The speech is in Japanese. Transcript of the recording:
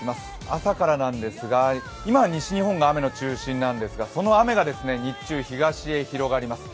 朝からなんですが、今西日本は雨が中心なんですがその雨が日中東へ広がります。